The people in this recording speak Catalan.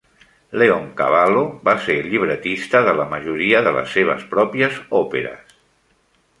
Leoncavallo va ser el llibretista de la majoria de les seves pròpies òperes.